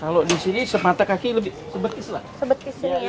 kalau di sini semata kaki lebih sebetis lah